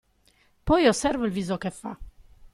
Poi osserva il viso che fa.